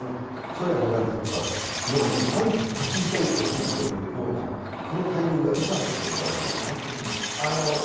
ソ連崩壊のときもそうだったように、ある日、突然、起きるというような、このタイミングはいつなのかってことらしいんですね。